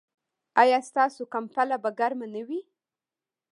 ایا ستاسو کمپله به ګرمه نه وي؟